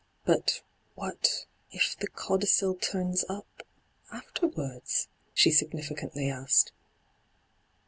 ' But — what — if the codicil turns up — afterwards ?' she significantly asked.